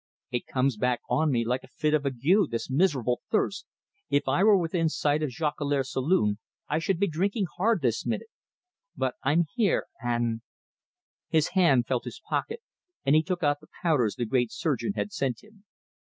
"It comes back on me like a fit of ague, this miserable thirst. If I were within sight of Jolicoeur's saloon, I should be drinking hard this minute. But I'm here, and " His hand felt his pocket, and he took out the powders the great surgeon had sent him.